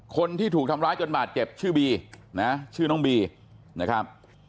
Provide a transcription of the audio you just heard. คนที่ถูกทำร้ายจนบาดเจ็บชื่อบีนะชื่อน้องบีนะครับ